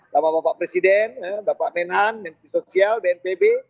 bapak bapak presiden bapak menhan menteri sosial bnpb